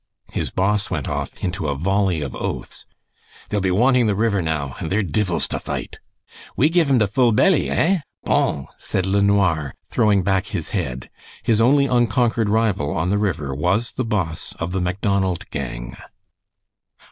His boss went off into a volley of oaths "They'll be wanting the river now, an' they're divils to fight." "We give em de full belly, heh? Bon!" said LeNoir, throwing back his head. His only unconquered rival on the river was the boss of the Macdonald gang.